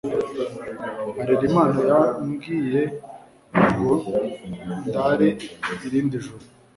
Harerimana yambwiye ngo ndara irindi joro